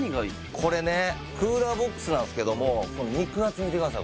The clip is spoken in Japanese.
これねクーラーボックスなんすけども肉厚見てください